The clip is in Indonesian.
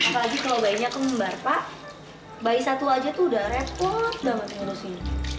apalagi kalau bayinya kembar pak bayi satu aja tuh udah repot banget ngurusin